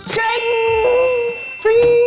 คริ่ง